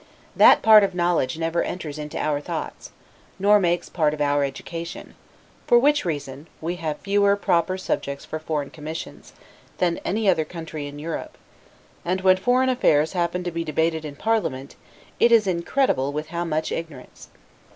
That part of knowledge never enters into our thoughts, nor makes part of our education; for which reason, we have fewer proper subjects for foreign commissions, than any other country in Europe; and, when foreign affairs happen to be debated in Parliament, it is incredible with how much ignorance.